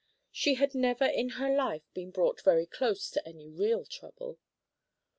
She had never in her life been brought very close to any real trouble.